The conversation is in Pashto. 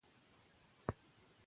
پروفېسر جراحي پر مخ وړي.